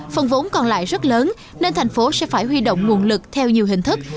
phần vốn còn lại rất lớn nên thành phố sẽ phải huy động nguồn lực theo nhiều hình thức